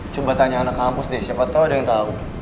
coba tanya anak kampus deh siapa tau ada yang tahu